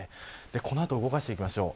この後、動かしていきましょう。